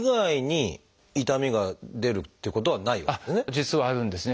実はあるんですね。